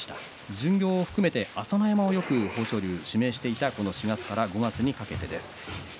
巡業を含めて朝乃山をよく豊昇龍は指名していたこの４月から５月にかけてです。